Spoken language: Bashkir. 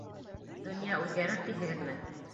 Донъя үҙгәрер тиһегеҙме?